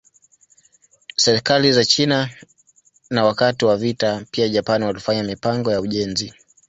Serikali za China na wakati wa vita pia Japan walifanya mipango ya ujenzi.